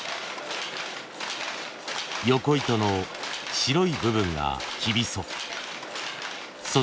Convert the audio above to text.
横糸の白い部分がきびそ。